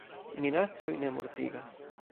Minacoj ne mortigas.